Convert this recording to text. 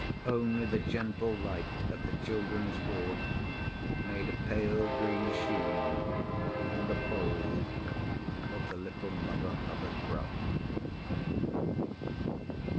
Only the gentle light of the children's ward made a pale green sheen in the folds of the little Mother Hubbard frock.